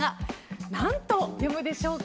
何と読むでしょうか。